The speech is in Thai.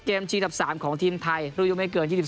ชีดับ๓ของทีมไทยรุ่นยุคไม่เกิน๒๓